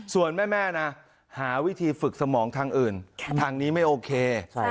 ส่วนแม่นะหาวิธีฝึกสมองทางอื่นทางนี้ไม่โอเค